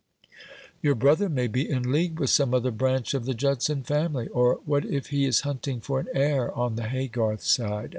"Your brother may be in league with some other branch of the Judson family. Or what if he is hunting for an heir on the Haygarth side?"